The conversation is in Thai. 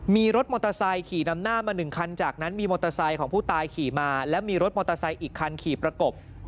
มีรถมอเตอร์ไซค์ขี่นำหน้ามาหนึ่งคันจากนั้นมีมอเตอร์ไซค์ของผู้ตายขี่มาแล้วมีรถมอเตอร์ไซค์อีกคันขี่ประกบ